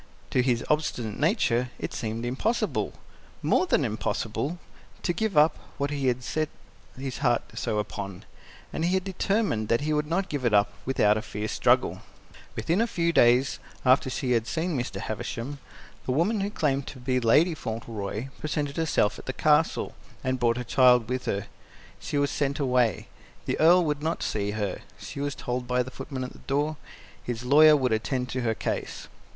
To his obstinate nature it seemed impossible more than impossible to give up what he had so set his heart upon. And he had determined that he would not give it up without a fierce struggle. Within a few days after she had seen Mr. Havisham, the woman who claimed to be Lady Fauntleroy presented herself at the Castle, and brought her child with her. She was sent away. The Earl would not see her, she was told by the footman at the door; his lawyer would attend to her case.